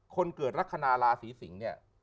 คนเกิดลักษณะราศีสิงศ์เนี่ย